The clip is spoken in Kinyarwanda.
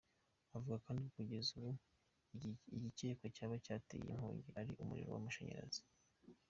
Avuga kandi ko kugeza ubu, igikekwa cyaba cyateye iyo nkongi, ari umuriro w’amashanyarazi.